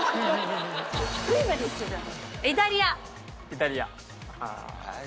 イタリアあ。